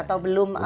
atau belum maksimal